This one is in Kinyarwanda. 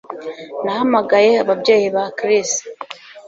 Nahamagaye ababyeyi ba Chris